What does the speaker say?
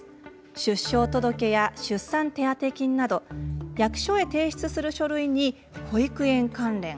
出生届や出産手当金など役所へ提出する書類に保育園関連。